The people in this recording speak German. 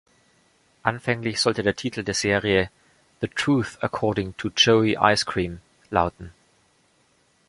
Anfänglich sollte der Titel der Serie „The Truth according To Joey Ice Cream“ lauten.